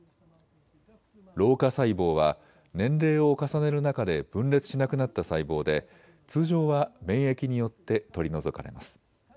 老化細胞は年齢を重ねる中で分裂しなくなった細胞で通常は免疫によって取り除かれます。